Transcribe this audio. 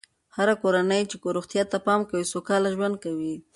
هره کورنۍ چې روغتیا ته پام کوي، سوکاله ژوند کوي.